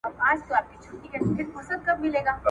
مينه چي د انسان د سړیتوب